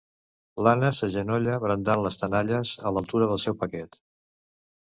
L'Anna s'agenolla brandant les tenalles a l'altura del seu paquet.